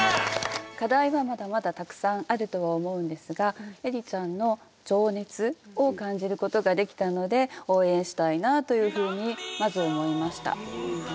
課題はまだまだたくさんあるとは思うんですがえりちゃんの情熱を感じることができたので応援したいなというふうにまず思いました。